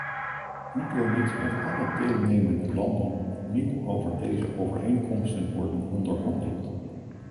Moet er niet met alle deelnemende landen opnieuw over deze overeenkomsten worden onderhandeld?